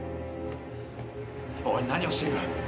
おい何をしている。